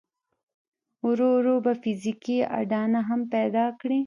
ورو ورو به فزيکي اډانه هم پيدا کړي.